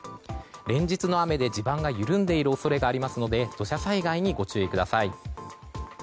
連日の雨で地盤が緩んでいる恐れがありますので土砂災害にご注意ください。